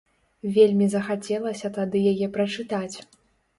Вельмі захацелася тады яе прачытаць.